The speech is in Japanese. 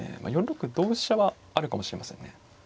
４六同飛車はあるかもしれませんね。